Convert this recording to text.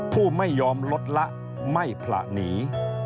ผู้ไม่ยอมลดละไม่ผละหนี